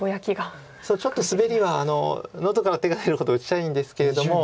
ちょっとスベリは喉から手が出るほど打ちたいんですけれども。